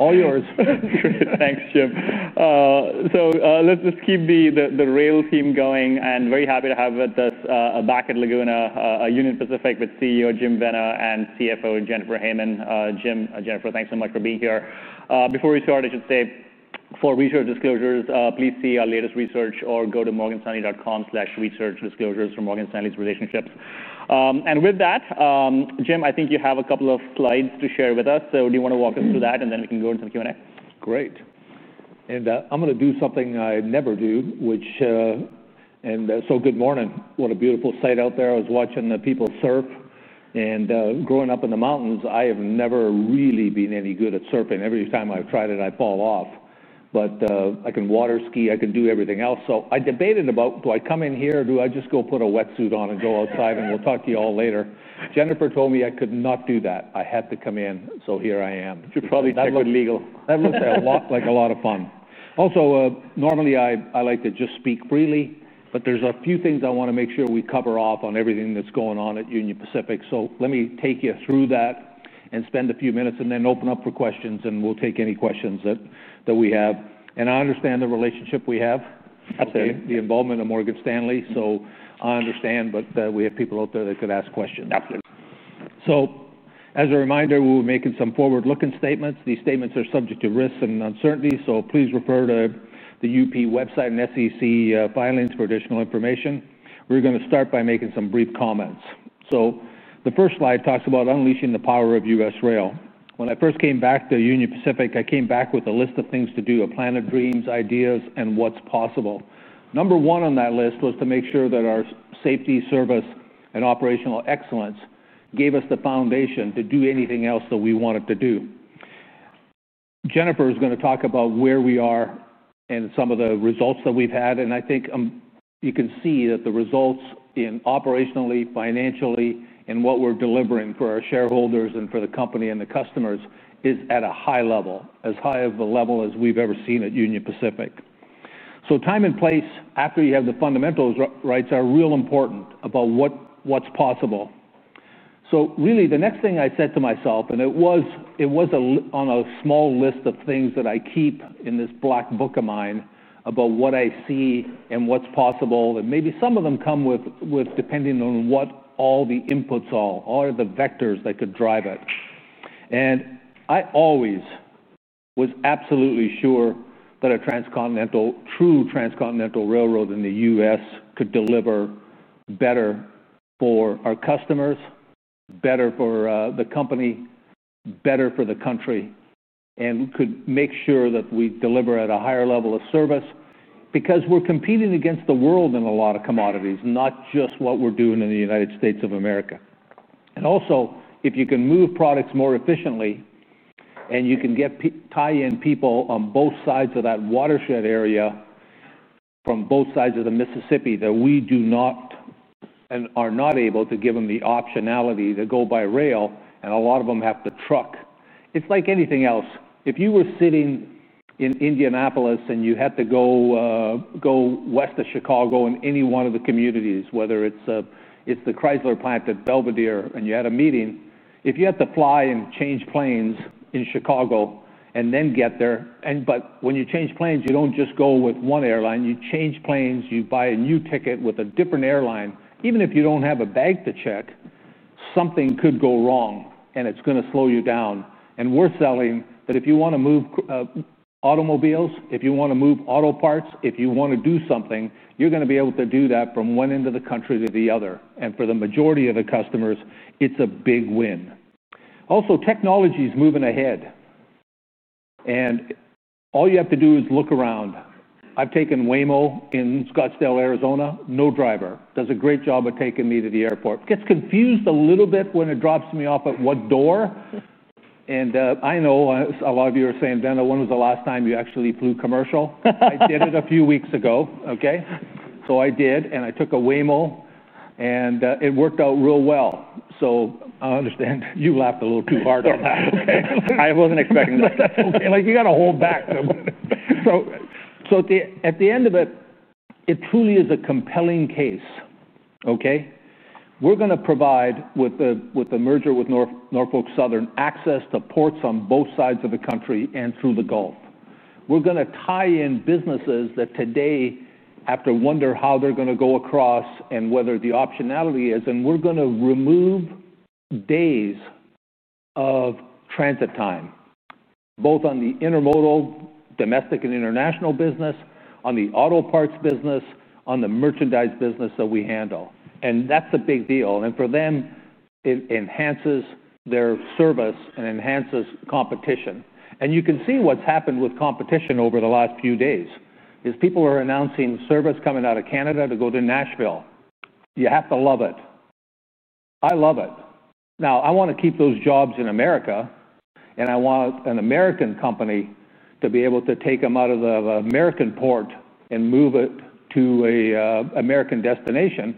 All yours. Thanks, Jim. Let's just keep the rail team going. I'm very happy to have with us back at Laguna Union Pacific with CEO Jim Vena and CFO Jennifer Hamann. Jim, Jennifer, thanks so much for being here. Before we start, I should say, for research disclosures, please see our latest research or go to morganstanley.com/researchdisclosures for Morgan Stanley's relationships. With that, Jim, I think you have a couple of slides to share with us. Do you want to walk us through that? Then we can go into the Q&A. Great. I'm going to do something I never do, which, and good morning. What a beautiful sight out there. I was watching the people surf. Growing up in the mountains, I have never really been any good at surfing. Every time I've tried it, I fall off. I can water ski. I can do everything else. I debated about, do I come in here or do I just go put a wetsuit on and go outside and we'll talk to you all later? Jennifer told me I could not do that. I had to come in. Here I am. You're probably too illegal. That looks like a lot of fun. Normally I like to just speak freely, but there's a few things I want to make sure we cover off on everything that's going on at Union Pacific. Let me take you through that and spend a few minutes, then open up for questions. We'll take any questions that we have. I understand the relationship we have. Absolutely. The involvement of Morgan Stanley is understood. We have people out there that could ask questions. Absolutely. As a reminder, we're making some forward-looking statements. These statements are subject to risks and uncertainty. Please refer to the UP website and SEC filings for additional information. We're going to start by making some brief comments. The first slide talks about unleashing the power of U.S. rail. When I first came back to Union Pacific, I came back with a list of things to do, a plan of dreams, ideas, and what's possible. Number one on that list was to make sure that our safety, service, and operational excellence gave us the foundation to do anything else that we wanted to do. Jennifer is going to talk about where we are and some of the results that we've had. I think you can see that the results operationally, financially, and what we're delivering for our shareholders and for the company and the customers is at a high level, as high of a level as we've ever seen at Union Pacific. Time and place after you have the fundamentals right are real important about what's possible. The next thing I said to myself, and it was on a small list of things that I keep in this black book of mine about what I see and what's possible. Maybe some of them come with, depending on what all the inputs are, all the vectors that could drive it. I always was absolutely sure that a transcontinental, true transcontinental railroad in the U.S. could deliver better for our customers, better for the company, better for the country, and could make sure that we deliver at a higher level of service because we're competing against the world in a lot of commodities, not just what we're doing in the United States of America. Also, if you can move products more efficiently and you can tie in people on both sides of that watershed area from both sides of the Mississippi that we do not and are not able to give them the optionality to go by rail, and a lot of them have to truck. It's like anything else. If you were sitting in Indianapolis and you had to go west of Chicago in any one of the communities, whether it's the Chrysler plant at Belvedere and you had a meeting, if you had to fly and change planes in Chicago and then get there, but when you change planes, you don't just go with one airline. You change planes. You buy a new ticket with a different airline. Even if you don't have a bag to check, something could go wrong and it's going to slow you down. We're selling that if you want to move automobiles, if you want to move auto parts, if you want to do something, you're going to be able to do that from one end of the country to the other. For the majority of the customers, it's a big win. Also, technology is moving ahead. All you have to do is look around. I've taken Waymo in Scottsdale, Arizona. No driver. Does a great job of taking me to the airport. Gets confused a little bit when it drops me off at what door. I know a lot of you are saying, "Vena, when was the last time you actually flew commercial?" I did it a few weeks ago. OK. I did. I took a Waymo, and it worked out real well. I understand you laughed a little too hard on that. I wasn't expecting that. OK. You got to hold back. At the end of it, it truly is a compelling case. We're going to provide with the merger with Norfolk Southern access to ports on both sides of the country and through the Gulf. We're going to tie in businesses that today have to wonder how they're going to go across and what the optionality is, and we're going to remove days of transit time, both on the intermodal, domestic, and international business, on the auto parts business, on the merchandise business that we handle. That's a big deal. For them, it enhances their service and enhances competition. You can see what's happened with competition over the last few days. These people are announcing service coming out of Canada to go to Nashville. You have to love it. I love it. I want to keep those jobs in America. I want an American company to be able to take them out of the American port and move it to an American destination.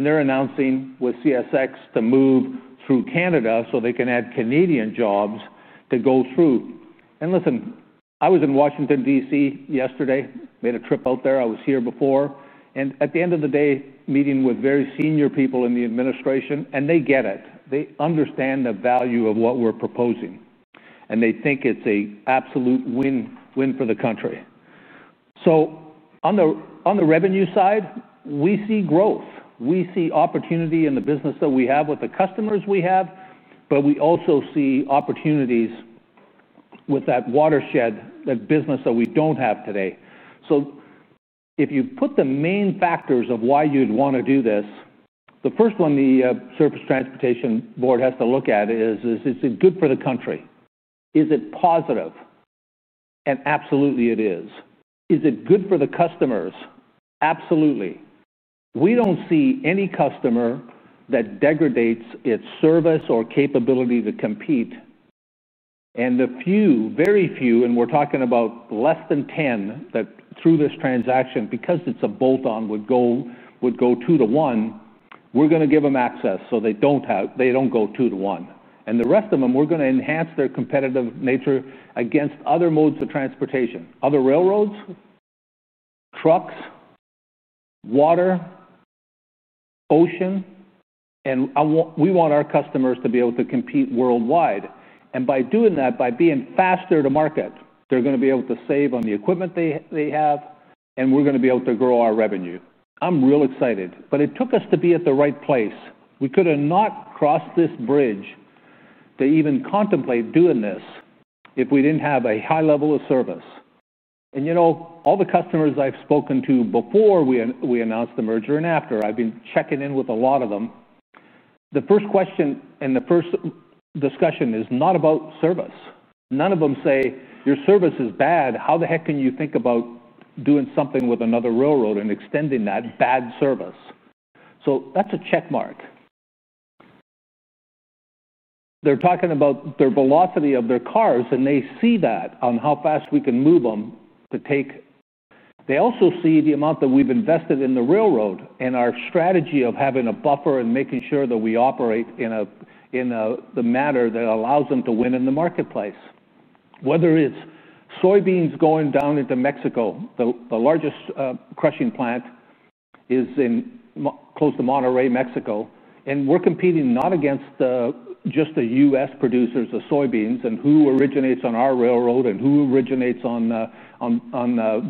They're announcing with CSX to move through Canada so they can add Canadian jobs to go through. Listen, I was in Washington, DC yesterday. Made a trip out there. I was here before. At the end of the day, meeting with very senior people in the administration, they get it. They understand the value of what we're proposing. They think it's an absolute win for the country. On the revenue side, we see growth. We see opportunity in the business that we have with the customers we have. We also see opportunities with that watershed, that business that we don't have today. If you put the main factors of why you'd want to do this, the first one the Surface Transportation Board has to look at is, is it good for the country? Is it positive? Absolutely, it is. Is it good for the customers? Absolutely. We don't see any customer that degrades its service or capability to compete. The few, very few, and we're talking about less than 10 that through this transaction, because it's a bolt-on, would go to the one, we're going to give them access so they don't go to the one. The rest of them, we're going to enhance their competitive nature against other modes of transportation, other railroads, trucks, water, ocean. We want our customers to be able to compete worldwide. By doing that, by being faster to market, they're going to be able to save on the equipment they have. We're going to be able to grow our revenue. I'm real excited. It took us to be at the right place. We could have not crossed this bridge to even contemplate doing this if we didn't have a high level of service. All the customers I've spoken to before we announced the merger and after, I've been checking in with a lot of them. The first question and the first discussion is not about service. None of them say, "Your service is bad. How the heck can you think about doing something with another railroad and extending that bad service?" That's a check mark. They're talking about the velocity of their cars. They see that on how fast we can move them to take. They also see the amount that we've invested in the railroad and our strategy of having a buffer and making sure that we operate in a manner that allows them to win in the marketplace. Whether it's soybeans going down into Mexico, the largest crushing plant is close to Monterrey, Mexico. We're competing not against just the U.S. producers of soybeans and who originates on our railroad and who originates on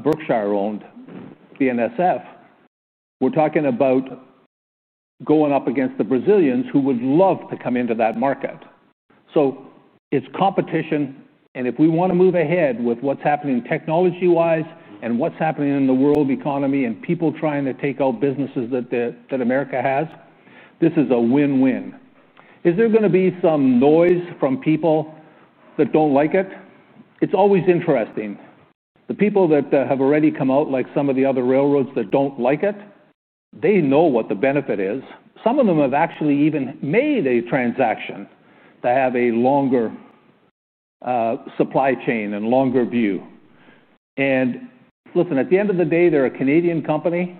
Berkshire-owned BNSF. We're talking about going up against the Brazilians who would love to come into that market. It's competition. If we want to move ahead with what's happening technology-wise and what's happening in the world economy and people trying to take all businesses that America has, this is a win-win. Is there going to be some noise from people that don't like it? It's always interesting. The people that have already come out, like some of the other railroads that don't like it, they know what the benefit is. Some of them have actually even made a transaction to have a longer supply chain and longer view. Listen, at the end of the day, they're a Canadian company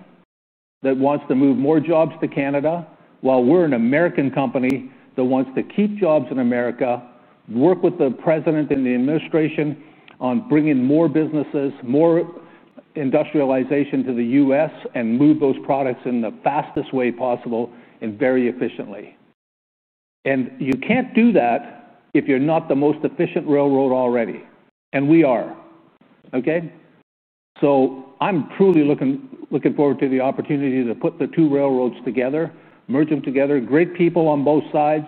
that wants to move more jobs to Canada. We're an American company that wants to keep jobs in America, work with the president and the administration on bringing more businesses, more industrialization to the U.S., and move those products in the fastest way possible and very efficiently. You can't do that if you're not the most efficient railroad already. And we are. I'm truly looking forward to the opportunity to put the two railroads together, merge them together. Great people on both sides.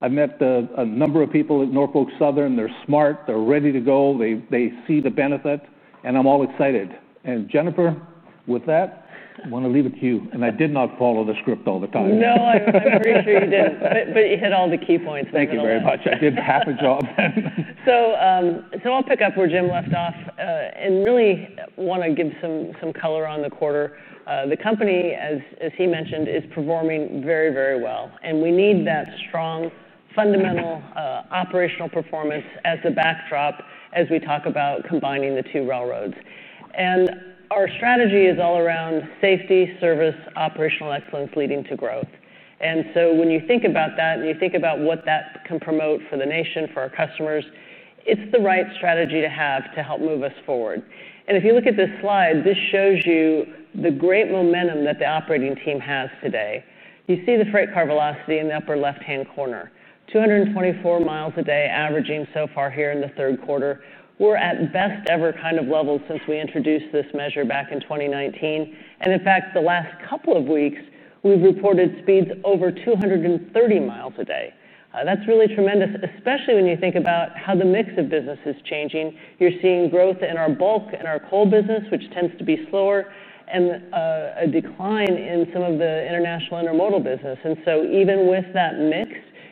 I met a number of people at Norfolk Southern. They're smart. They're ready to go. They see the benefit. I'm all excited. Jennifer, with that, I want to leave it to you. I did not follow the script all the time. No, I'm pretty sure you didn't. You hit all the key points. Thank you very much. I did half a job. I'll pick up where Jim left off and really want to give some color on the quarter. The company, as he mentioned, is performing very, very well. We need that strong fundamental operational performance as the backdrop as we talk about combining the two railroads. Our strategy is all around safety, service, operational excellence leading to growth. When you think about that and you think about what that can promote for the nation, for our customers, it's the right strategy to have to help move us forward. If you look at this slide, this shows you the great momentum that the operating team has today. You see the freight car velocity in the upper left-hand corner, 224 miles a day averaging so far here in the third quarter. We're at best ever kind of levels since we introduced this measure back in 2019. In fact, the last couple of weeks, we've reported speeds over 230 miles a day. That's really tremendous, especially when you think about how the mix of business is changing. You're seeing growth in our bulk and our coal business, which tends to be slower, and a decline in some of the international intermodal business. Even with that mix,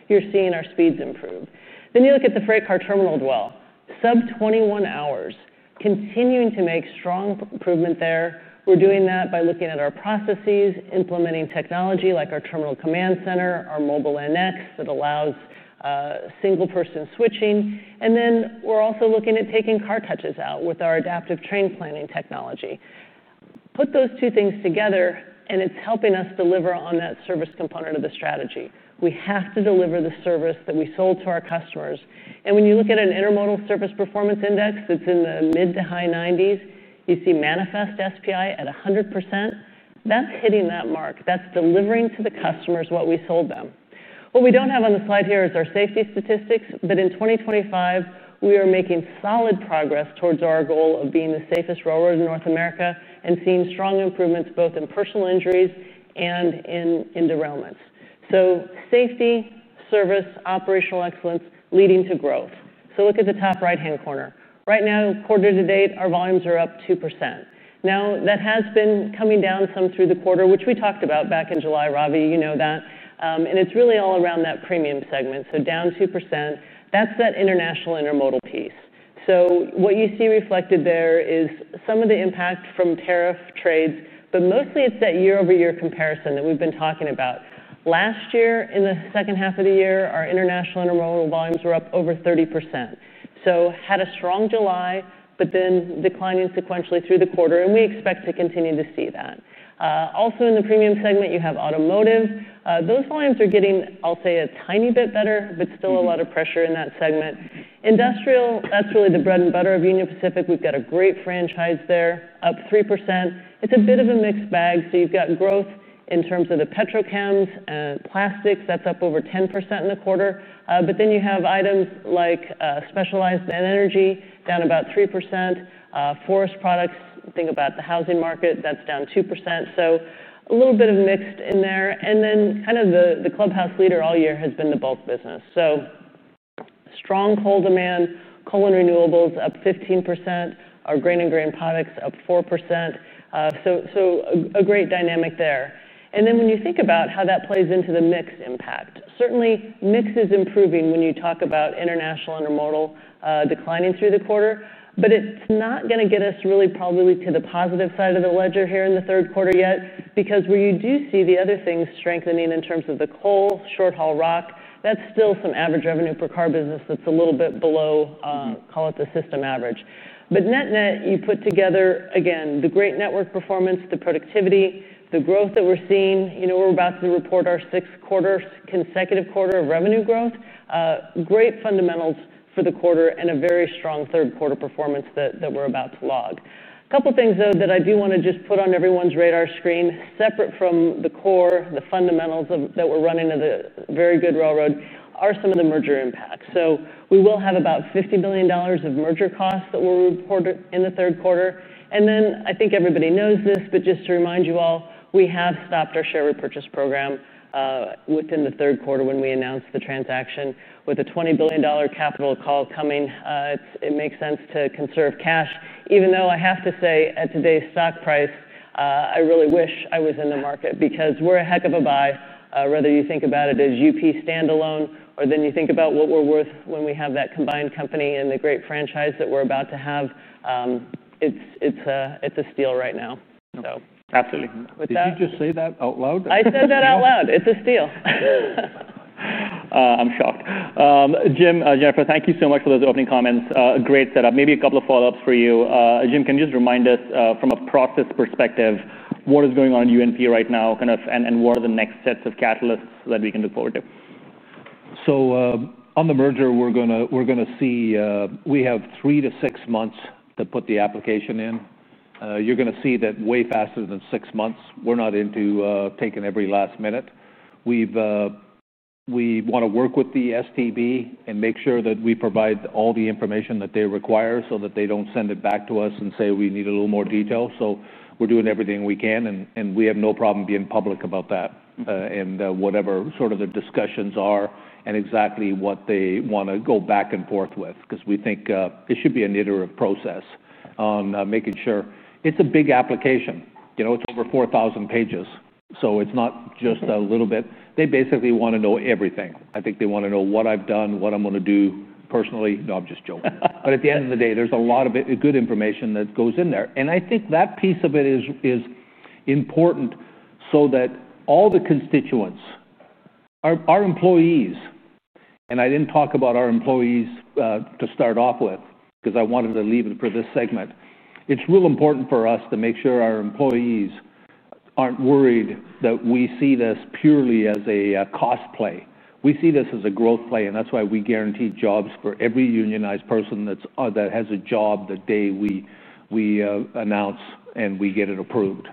you're seeing our speeds improve. You look at the freight car terminal dwell sub-21 hours, continuing to make strong improvement there. We're doing that by looking at our processes, implementing technology like our terminal command center, our Mobile NX that allows single-person switching. We're also looking at taking car touches out with our adaptive train planning technology. Put those two things together, and it's helping us deliver on that service component of the strategy. We have to deliver the service that we sold to our customers. When you look at an intermodal service performance index that's in the mid to high 90s, you see manifest SPI at 100%. That's hitting that mark. That's delivering to the customers what we sold them. What we don't have on the slide here is our safety statistics. In 2025, we are making solid progress towards our goal of being the safest railroad in North America and seeing strong improvements both in personal injuries and in derailments. Safety, service, operational excellence leading to growth. Look at the top right-hand corner. Right now, quarter to date, our volumes are up 2%. That has been coming down some through the quarter, which we talked about back in July, Ravi, you know that. It is really all around that premium segment. Down 2%. That is that international intermodal piece. What you see reflected there is some of the impact from tariff trades, but mostly it is that year-over-year comparison that we have been talking about. Last year, in the second half of the year, our international intermodal volumes were up over 30%. We had a strong July, but then declining sequentially through the quarter. We expect to continue to see that. Also, in the premium segment, you have automotive. Those lines are getting, I will say, a tiny bit better, but still a lot of pressure in that segment. Industrial, that is really the bread and butter of Union Pacific. We have got a great franchise there, up 3%. It is a bit of a mixed bag. You have got growth in terms of the petrochems, plastics. That is up over 10% in the quarter. Then you have items like specialized energy down about 3%. Forest products, think about the housing market. That is down 2%. A little bit of mixed in there. The clubhouse leader all year has been the bulk business. Strong coal demand, coal and renewables up 15%. Our grain and grain products up 4%. A great dynamic there. When you think about how that plays into the mix impact, certainly, mix is improving when you talk about international intermodal declining through the quarter. It is not going to get us really probably to the positive side of the ledger here in the third quarter yet, because where you do see the other things strengthening in terms of the coal, short haul rock, that is still some average revenue per car business that is a little bit below, call it the system average. Net net, you put together, again, the great network performance, the productivity, the growth that we are seeing. We are about to report our sixth consecutive quarter of revenue growth. Great fundamentals for the quarter and a very strong third quarter performance that we are about to log. A couple of things that I do want to just put on everyone's radar screen, separate from the core, the fundamentals that we are running at a very good railroad, are some of the merger impacts. We will have about $50 billion of merger costs that we will report in the third quarter. I think everybody knows this, but just to remind you all, we have stopped our share repurchase program within the third quarter when we announced the transaction with a $20 billion capital call coming. It makes sense to conserve cash, even though I have to say, at today's stock price, I really wish I was in the market, because we're a heck of a buy. Whether you think about it as UP standalone or then you think about what we're worth when we have that combined company and the great franchise that we're about to have, it's a steal right now. Absolutely. Did you just say that out loud? I said that out loud. It's a steal. I'm shocked. Jim, Jennifer, thank you so much for those opening comments. Great setup. Maybe a couple of follow-ups for you. Jim, can you just remind us from a process perspective what is going on at UNP right now and what are the next sets of catalysts that we can look forward to? On the merger, we're going to see we have three to six months to put the application in. You're going to see that way faster than six months. We're not into taking every last minute. We want to work with the STB and make sure that we provide all the information that they require so that they don't send it back to us and say, we need a little more detail. We're doing everything we can. We have no problem being public about that and whatever sort of the discussions are and exactly what they want to go back and forth with, because we think it should be an iterative process on making sure it's a big application. It's over 4,000 pages. It's not just a little bit. They basically want to know everything. I think they want to know what I've done, what I'm going to do personally. No, I'm just joking. At the end of the day, there's a lot of good information that goes in there. I think that piece of it is important so that all the constituents, our employees, and I didn't talk about our employees to start off with because I wanted to leave it for this segment. It's real important for us to make sure our employees aren't worried that we see this purely as a cost play. We see this as a growth play. That's why we guarantee jobs for every unionized person that has a job the day we announce and we get it approved.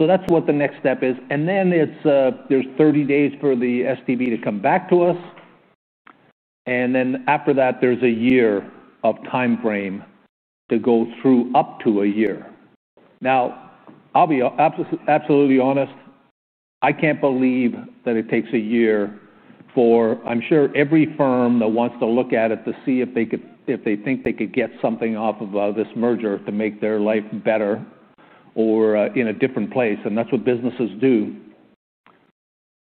That's what the next step is. There's 30 days for the STB to come back to us. After that, there's a year of time frame to go through, up to a year. I'll be absolutely honest. I can't believe that it takes a year for, I'm sure, every firm that wants to look at it to see if they think they could get something off of this merger to make their life better or in a different place. That's what businesses do.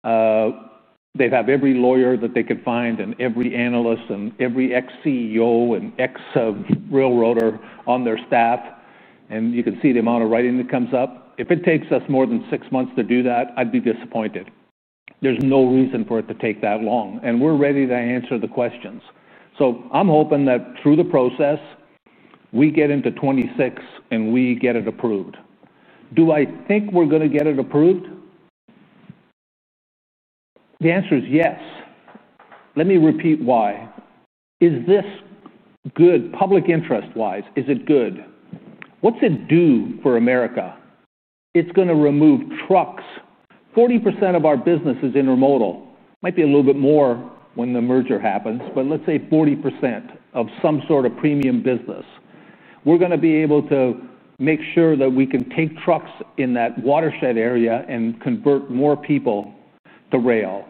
They have every lawyer that they could find and every analyst and every ex-CEO and ex-railroader on their staff. You can see the amount of writing that comes up. If it takes us more than six months to do that, I'd be disappointed. There's no reason for it to take that long. We're ready to answer the questions. I'm hoping that through the process, we get into 2026 and we get it approved. Do I think we're going to get it approved? The answer is yes. Let me repeat why. Is this good public interest-wise? Is it good? What's it do for America? It's going to remove trucks. 40% of our business is intermodal. Might be a little bit more when the merger happens. Let's say 40% of some sort of premium business. We're going to be able to make sure that we can take trucks in that watershed area and convert more people to rail.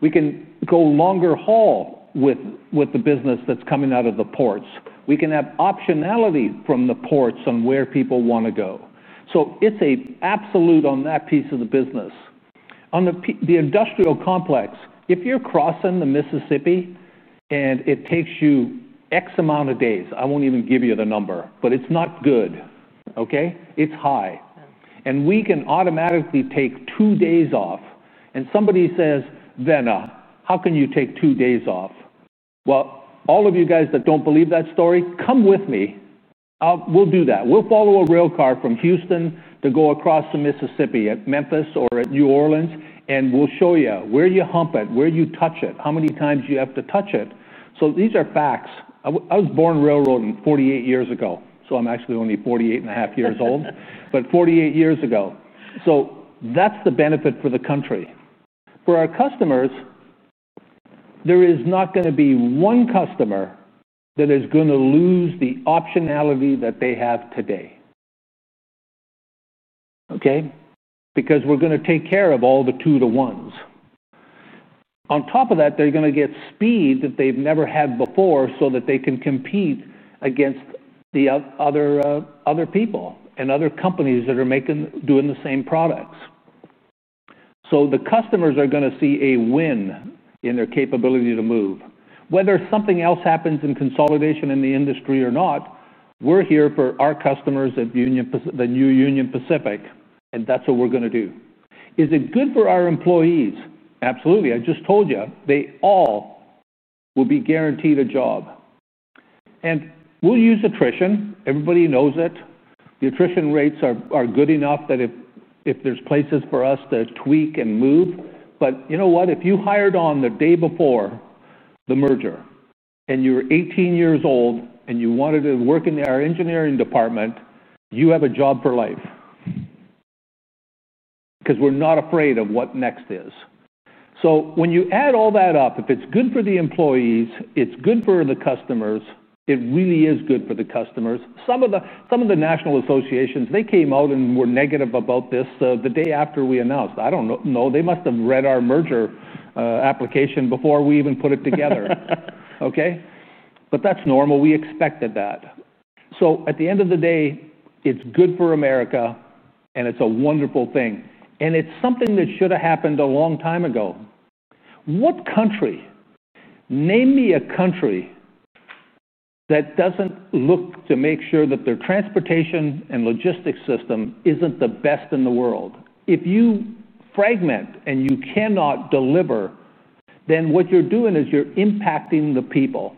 We can go longer haul with the business that's coming out of the ports. We can have optionality from the ports on where people want to go. It's an absolute on that piece of the business. On the industrial complex, if you're crossing the Mississippi and it takes you x amount of days, I won't even give you the number. It's not good. It's high. We can automatically take two days off. Somebody says, "Vena, how can you take two days off?" All of you guys that don't believe that story, come with me. We'll do that. We'll follow a rail car from Houston to go across the Mississippi at Memphis or at New Orleans. We'll show you where you hump it, where you touch it, how many times you have to touch it. These are facts. I was born railroading 48 years ago. I'm actually only 48 and 1/2 years old. But 48 years ago. That's the benefit for the country. For our customers, there is not going to be one customer that is going to lose the optionality that they have today. We're going to take care of all the two-to-ones. On top of that, they're going to get speed that they've never had before so that they can compete against the other people and other companies that are doing the same products. The customers are going to see a win in their capability to move. Whether something else happens in consolidation in the industry or not, we're here for our customers at the new Union Pacific. That's what we're going to do. Is it good for our employees? Absolutely. I just told you, they all will be guaranteed a job. We'll use attrition. Everybody knows it. The attrition rates are good enough that if there's places for us to tweak and move. If you hired on the day before the merger and you're 18 years old and you wanted to work in our engineering department, you have a job for life, because we're not afraid of what next is. When you add all that up, if it's good for the employees, it's good for the customers. It really is good for the customers. Some of the national associations, they came out and were negative about this the day after we announced. I don't know. They must have read our merger application before we even put it together. That's normal. We expected that. At the end of the day, it's good for America. It's a wonderful thing. It's something that should have happened a long time ago. What country? Name me a country that doesn't look to make sure that their transportation and logistics system isn't the best in the world. If you fragment and you cannot deliver, then what you're doing is you're impacting the people.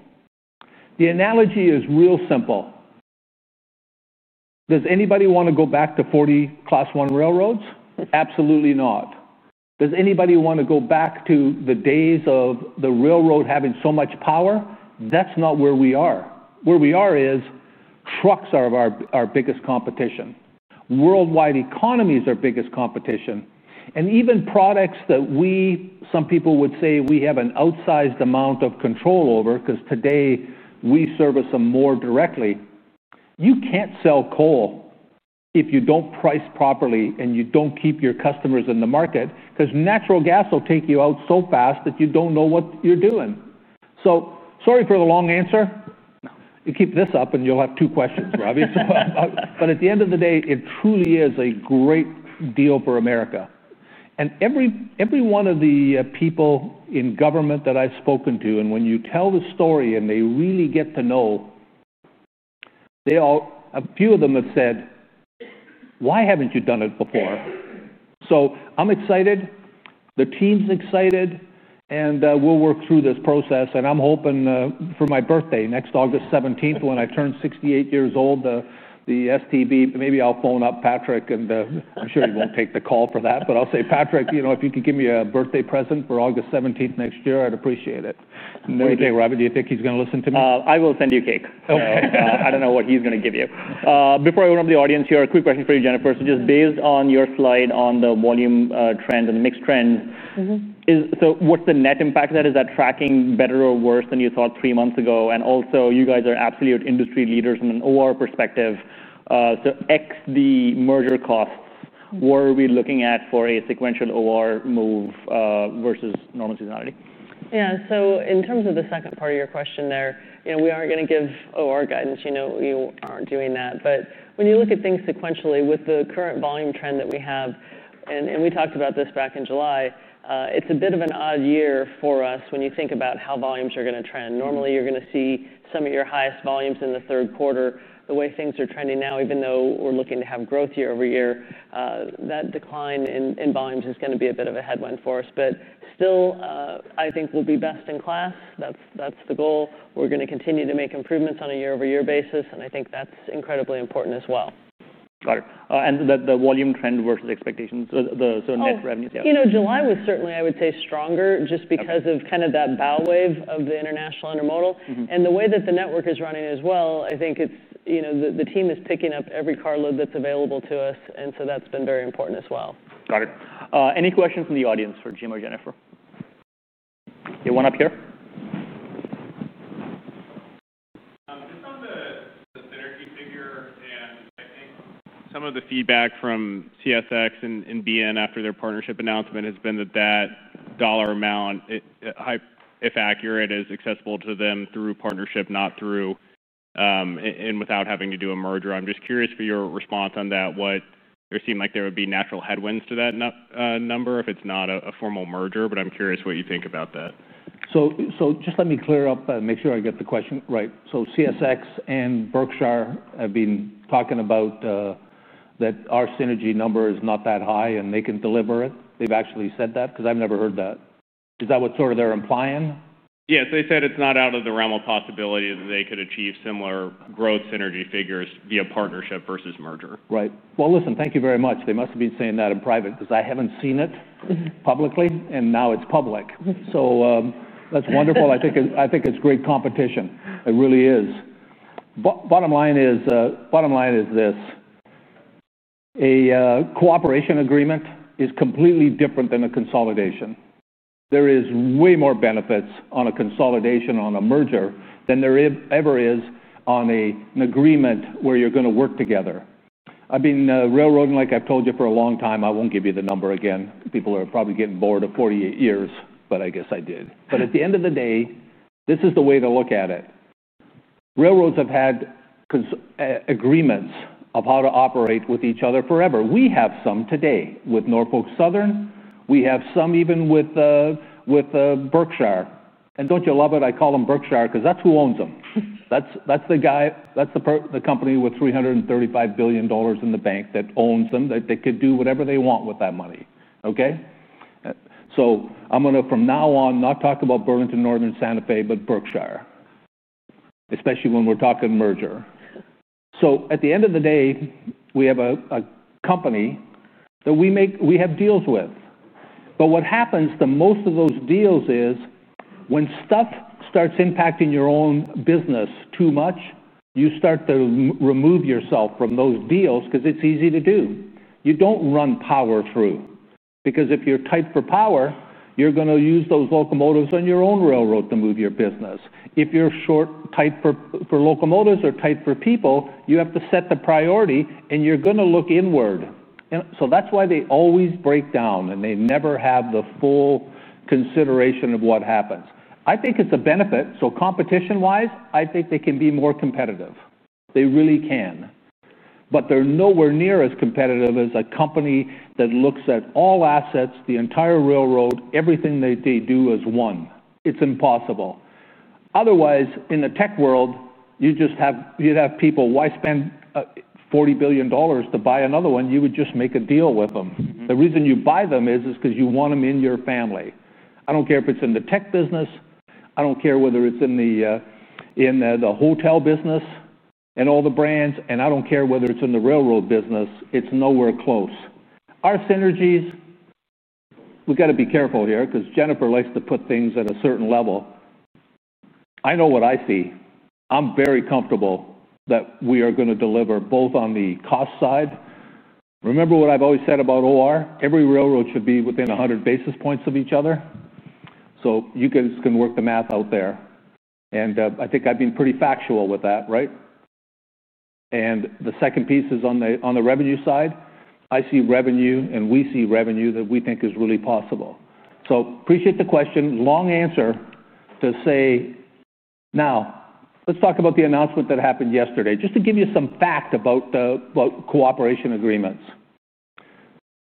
The analogy is real simple. Does anybody want to go back to 40 Class I railroads? Absolutely not. Does anybody want to go back to the days of the railroad having so much power? That's not where we are. Where we are is trucks are our biggest competition. Worldwide economies are our biggest competition. Even products that we, some people would say, we have an outsized amount of control over, because today we service them more directly. You can't sell coal if you don't price properly and you don't keep your customers in the market, because natural gas will take you out so fast that you don't know what you're doing. Sorry for the long answer. You keep this up and you'll have two questions, Ravi. At the end of the day, it truly is a great deal for America. Every one of the people in government that I've spoken to, and when you tell the story and they really get to know, a few of them have said, "Why haven't you done it before?" I'm excited. The team's excited. We'll work through this process. I'm hoping for my birthday next August 17th, when I turn 68 years old, the Surface Transportation Board, maybe I'll phone up Patrick. I'm sure he won't take the call for that. I'll say, "Patrick, you know if you can give me a birthday present for August 17th next year, I'd appreciate it." What do you think, Ravi? Do you think he's going to listen to me? I will send you cake. I don't know what he's going to give you. Before I run to the audience here, a quick question for you, Jennifer. Just based on your slide on the volume trend and mixed trend, what's the net impact of that? Is that tracking better or worse than you thought three months ago? You guys are absolute industry leaders from an OR perspective. X the merger costs, what are we looking at for a sequential OR move versus normal seasonality? Yeah. In terms of the second part of your question there, we are going to give OR guidance. You know we aren't doing that. When you look at things sequentially with the current volume trend that we have, and we talked about this back in July, it's a bit of an odd year for us when you think about how volumes are going to trend. Normally, you're going to see some of your highest volumes in the third quarter. The way things are trending now, even though we're looking to have growth year-over-year, that decline in volumes is going to be a bit of a headwind for us. Still, I think we'll be best in class. That's the goal. We're going to continue to make improvements on a year-over-year basis. I think that's incredibly important as well. Right, the volume trend versus expectations, so net revenue. You know, July was certainly, I would say, stronger just because of kind of that bow wave of the international intermodal. The way that the network is running as well, I think the team is picking up every car load that's available to us, and that's been very important as well. Got it. Any questions from the audience for Jim or Jennifer? You want up here? Some of the feedback from CSX and BNSF after their partnership announcement has been that that dollar amount, if accurate, is accessible to them through partnership, not through and without having to do a merger. I'm just curious for your response on that. It seemed like there would be natural headwinds to that number if it's not a formal merger. I'm curious what you think about that. Let me clear up and make sure I get the question right. CSX and Berkshire have been talking about that our synergy number is not that high and they can deliver it. They've actually said that, because I've never heard that. Is that what they're implying? Yes, they said it's not out of the realm of possibility that they could achieve similar growth synergy figures via partnership versus merger. Right. Thank you very much. They must have been saying that in private, because I haven't seen it publicly. Now it's public. That's wonderful. I think it's great competition. It really is. Bottom line is this. A cooperation agreement is completely different than a consolidation. There is way more benefits on a consolidation, on a merger, than there ever is on an agreement where you're going to work together. I've been railroading, like I've told you, for a long time. I won't give you the number again. People are probably getting bored of 48 years. I guess I did. At the end of the day, this is the way to look at it. Railroads have had agreements of how to operate with each other forever. We have some today with Norfolk Southern. We have some even with Berkshire. Don't you love it? I call them Berkshire, because that's who owns them. That's the company with $335 billion in the bank that owns them. They could do whatever they want with that money. Okay? From now on, I'm not going to talk about Burlington Northern and Santa Fe, but Berkshire, especially when we're talking merger. At the end of the day, we have a company that we have deals with. What happens to most of those deals is when stuff starts impacting your own business too much, you start to remove yourself from those deals, because it's easy to do. You don't run power through, because if you're tight for power, you're going to use those locomotives on your own railroad to move your business. If you're short, tight for locomotives or tight for people, you have to set the priority. You're going to look inward. That's why they always break down. They never have the full consideration of what happens. I think it's a benefit. Competition-wise, I think they can be more competitive. They really can. They're nowhere near as competitive as a company that looks at all assets, the entire railroad, everything that they do as one. It's impossible. Otherwise, in the tech world, you'd have people, why spend $40 billion to buy another one? You would just make a deal with them. The reason you buy them is because you want them in your family. I don't care if it's in the tech business. I don't care whether it's in the hotel business and all the brands. I don't care whether it's in the railroad business. It's nowhere close. Our synergies, we've got to be careful here, because Jennife likes to put things at a certain level. I know what I see. I'm very comfortable that we are going to deliver both on the cost side. Remember what I've always said about OR? Every railroad should be within 100 basis points of each other. You guys can work the math out there. I think I've been pretty factual with that, right? The second piece is on the revenue side. I see revenue and we see revenue that we think is really possible. I appreciate the question. Long answer to say, now, let's talk about the announcement that happened yesterday, just to give you some fact about cooperation agreements.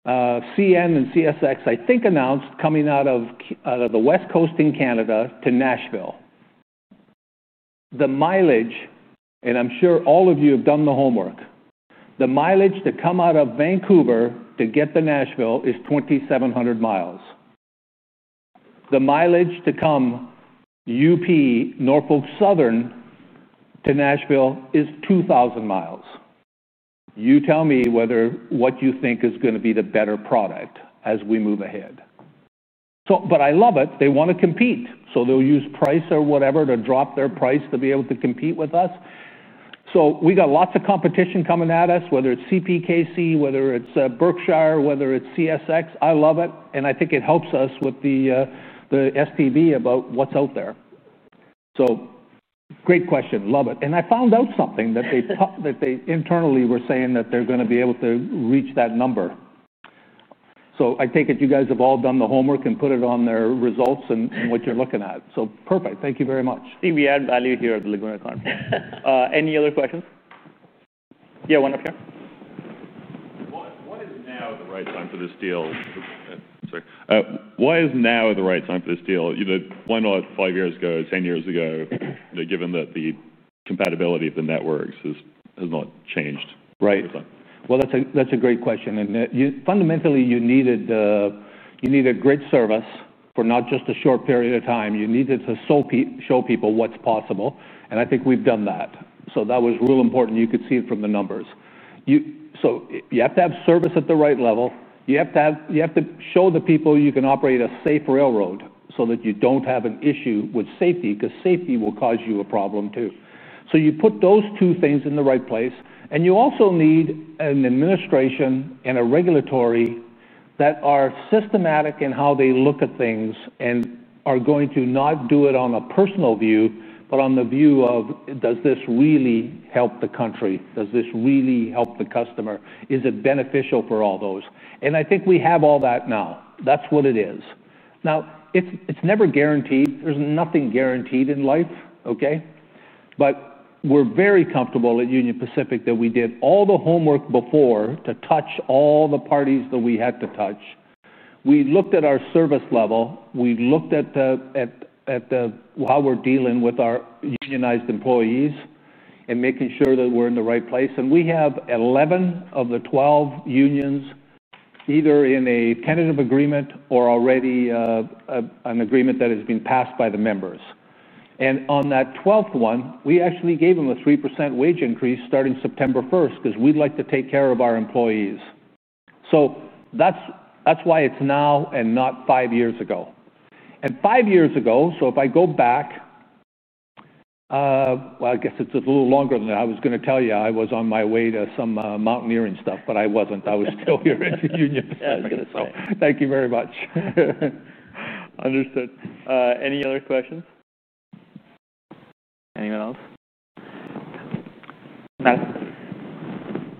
CN and CSX, I think, announced coming out of the West Coast in Canada to Nashville. The mileage, and I'm sure all of you have done the homework, the mileage to come out of Vancouver to get to Nashville is 2,700 miles. The mileage to come UP Norfolk Southern to Nashville is 2,000 miles. You tell me whether what you think is going to be the better product as we move ahead. I love it. They want to compete. They'll use price or whatever to drop their price to be able to compete with us. We got lots of competition coming at us, whether it's CPKC, whether it's Berkshire, whether it's CSX. I love it. I think it helps us with the STB about what's out there. Great question. Love it. I found out something that they internally were saying that they're going to be able to reach that number. I take it you guys have all done the homework and put it on their results and what you're looking at. Perfect. Thank you very much. EV add value here at the Laguna Conference. Any other questions? Yeah, one up here. Why is now the right time for this deal? Why not five years ago, 10 years ago, given that the compatibility of the networks has not changed over time? That's a great question. Fundamentally, you needed great service for not just a short period of time. You needed to show people what's possible. I think we've done that. That was real important. You could see it from the numbers. You have to have service at the right level. You have to show the people you can operate a safe railroad so that you don't have an issue with safety, because safety will cause you a problem too. You put those two things in the right place. You also need an administration and a regulatory that are systematic in how they look at things and are going to not do it on a personal view, but on the view of, does this really help the country? Does this really help the customer? Is it beneficial for all those? I think we have all that now. That's what it is. It's never guaranteed. There's nothing guaranteed in life. Okay? We're very comfortable at Union Pacific that we did all the homework before to touch all the parties that we had to touch. We looked at our service level. We looked at how we're dealing with our unionized employees and making sure that we're in the right place. We have 11 of the 12 unions either in a tentative agreement or already an agreement that has been passed by the members. On that 12th one, we actually gave them a 3% wage increase starting September 1st, because we'd like to take care of our employees. That's why it's now and not five years ago. Five years ago, if I go back, I guess it's a little longer than I was going to tell you. I was on my way to some mountaineering stuff, but I wasn't. I was still here at Union Pacific. I was going to say. Thank you very much. Understood. Any other questions? Anyone else?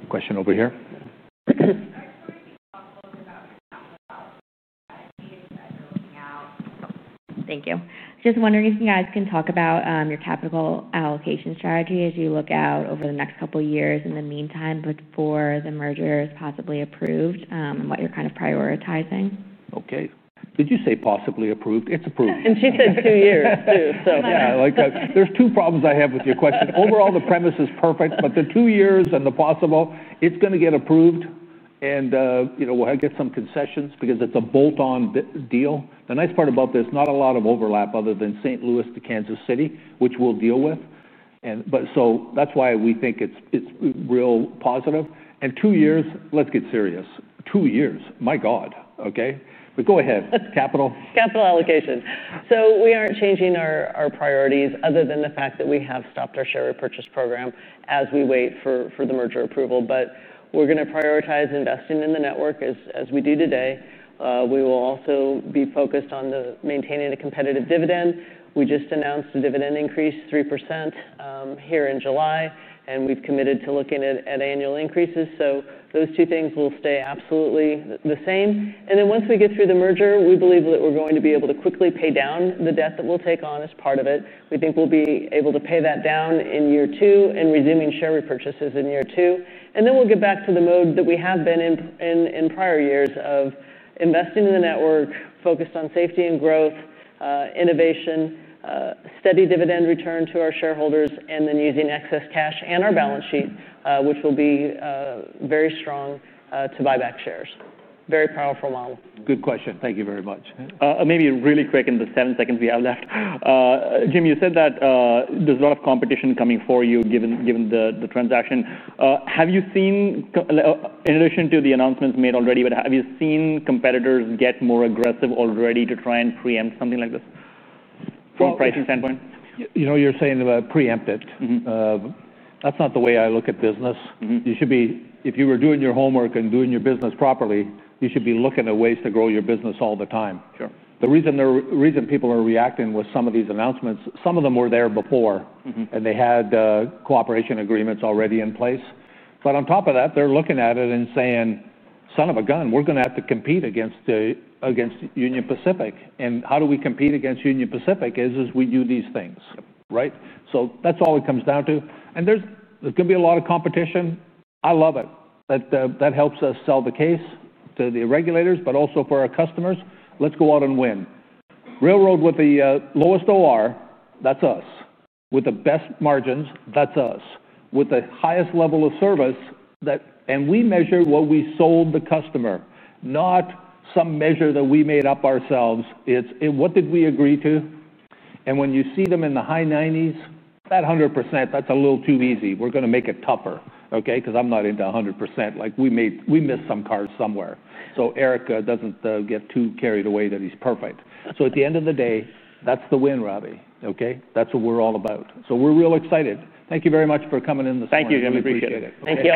Question over here. Thank you. I was just wondering if you guys can talk about your capital allocation strategy as you look out over the next couple of years in the meantime before the merger is possibly approved and what you're kind of prioritizing. Did you say possibly approved? It's approved. She said two years, too. I like that. There are two problems I have with your question. Overall, the premise is perfect. The two years and the possible, it's going to get approved. We'll get some concessions, because it's a bolt-on deal. The nice part about this, not a lot of overlap other than St. Louis to Kansas City, which we'll deal with. That's why we think it's real positive. Two years, let's get serious. Two years. My God. Okay. Go ahead. Capital. Capital allocation. We aren't changing our priorities other than the fact that we have stopped our share repurchase program as we wait for the merger approval. We're going to prioritize investing in the network as we do today. We will also be focused on maintaining a competitive dividend. We just announced a dividend increase of 3% here in July, and we've committed to looking at annual increases. Those two things will stay absolutely the same. Once we get through the merger, we believe that we're going to be able to quickly pay down the debt that we'll take on as part of it. We think we'll be able to pay that down in year two and resume share repurchases in year two. We'll get back to the mode that we have been in prior years of investing in the network, focused on safety and growth, innovation, steady dividend return to our shareholders, and then using excess cash and our balance sheet, which will be very strong, to buy back shares. Very powerful model. Good question. Thank you very much. Maybe really quick in the seven seconds we have left. Jim, you said that there's a lot of competition coming for you, given the transaction. Have you seen, in addition to the announcements made already, have you seen competitors get more aggressive already to try and preempt something like this from a pricing standpoint? You know, you're saying about preemptive. That's not the way I look at business. You should be, if you were doing your homework and doing your business properly, you should be looking at ways to grow your business all the time. Sure. The reason people are reacting with some of these announcements, some of them were there before. They had cooperation agreements already in place. On top of that, they're looking at it and saying, son of a gun, we're going to have to compete against Union Pacific. How do we compete against Union Pacific is as we do these things, right? That's all it comes down to. There's going to be a lot of competition. I love it. That helps us sell the case to the regulators, but also for our customers. Let's go out and win. Railroad with the lowest OR, that's us. With the best margins, that's us. With the highest level of service, and we measure what we sold the customer, not some measure that we made up ourselves. It's, what did we agree to? When you see them in the high 90s, that 100%, that's a little too easy. We're going to make it tougher, Okay? I'm not into 100%. Like we missed some cars somewhere. So Eric doesn't get too carried away that he's perfect. At the end of the day, that's the win, Ravi. Okay? That's what we're all about. We're real excited. Thank you very much for coming in this morning. We appreciate it. Thank you all. We appreciate it. Thank you.